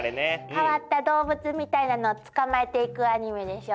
変わった動物みたいなのを捕まえていくアニメでしょ。